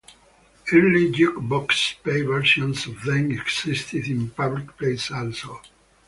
Early "juke-box" pay versions of them existed in public places also.